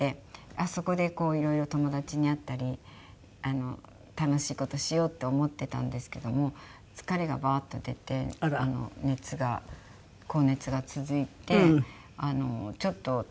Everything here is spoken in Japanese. そこで色々友達に会ったり楽しい事しようって思っていたんですけども疲れがバーッと出て熱が高熱が続いてちょっと体調を崩して。